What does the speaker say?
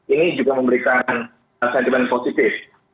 ini juga memberikan sentimen positif